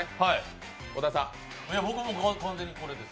僕も完全にこれです。